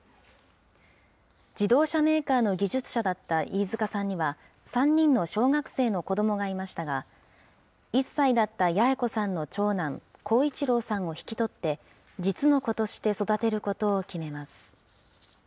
自動車メーカーの技術者だった飯塚さんには、３人の小学生の子どもがいましたが、１歳だった八重子さんの長男、耕一郎さんを引き取って、実の子として育てることを決めます。